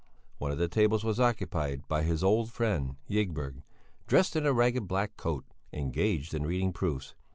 One of the tables was occupied by his old friend Ygberg, dressed in a ragged black coat, engaged in reading proofs.